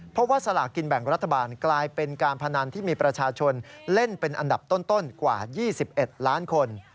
เพราะว่าสลากกินแบ่งรัฐบาลกลายเป็นการพนันที่มีประชาชนเล่นเป็นอันดับต้นกว่า๒๑ล้านคน